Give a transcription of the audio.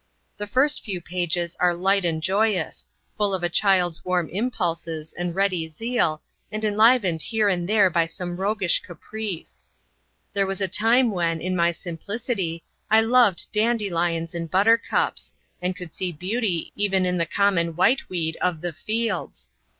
The first few pages are light and joyous, full of a child's warm impulses and ready zeal, and enlivened here and there by some roguish caprice. That was the time when, in my simplicity, I loved dandelions and buttercups, and could see beauty even in the common white weed of the fields.